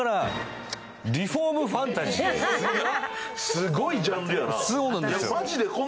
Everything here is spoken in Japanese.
すごいジャンルやな。